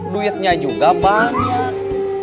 duitnya juga banyak